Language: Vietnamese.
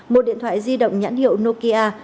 một điện thoại di động nhãn hiệu nokia